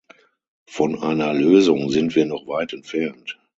Von einer Lösung sind wir noch weit entfernt.